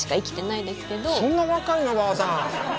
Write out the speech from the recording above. そんな若いの？ばあさん。